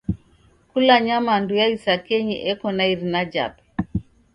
Kula nyamandu ya isakenyi eko na irina jape.